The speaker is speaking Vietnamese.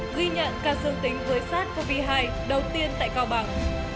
ghi nhận các dương tính với sát covid một mươi chín đầu tiên tại cao bằng